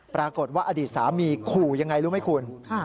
ปรากฏว่าอดีตสามีขู่ยังไงรู้ไหมคุณ